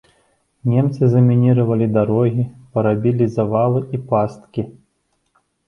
Немцы замініравалі дарогі, парабілі завалы і пасткі.